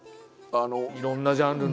いろんなジャンルの。